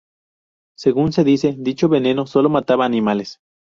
Según se dice, dicho veneno "sólo mataba animales".